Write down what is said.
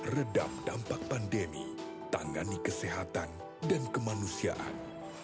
redam dampak pandemi tangani kesehatan dan kemanusiaan